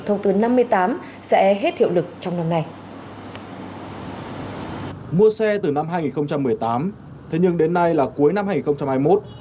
thông tư năm mươi tám sẽ hết thiệu lực trong năm nay mua xe từ năm hai nghìn một mươi tám thế nhưng đến nay là cuối năm hai nghìn hai mươi một